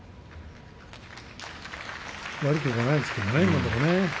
悪いところはないですけどね。